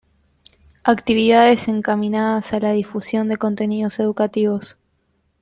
Actividades encaminadas a la difusión de contenidos educativos.